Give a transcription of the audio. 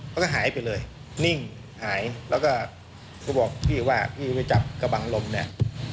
เขาก็หายไปเลยนิ่งหายแล้วก็เขาบอกพี่ว่าพี่ไปจับกระบังลมเนี่ย